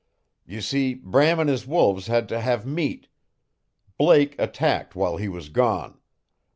... You see, Bram and his wolves had to have meat. Blake attacked while he was gone.